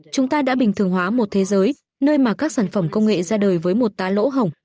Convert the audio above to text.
chúng ta đã bình thường hóa một thế giới nơi mà các sản phẩm công nghệ ra đời với một tá lỗ hồng